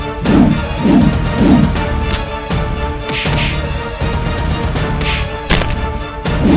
raden terimalah mas mas ini